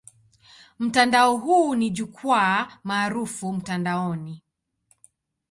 Mtandao huo ni jukwaa maarufu mtandaoni.